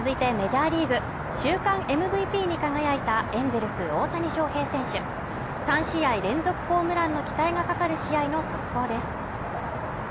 続いてメジャーリーグ週間ＭＶＰに輝いたエンゼルス大谷翔平選手３試合連続ホームランの期待がかかる試合の速報です。